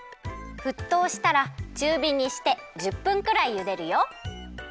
ふっとうしたらちゅうびにして１０分くらいゆでるよ。